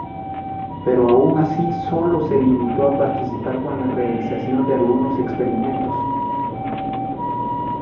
Pero aun así solo se limitó a participar con la realización de algunos experimentos.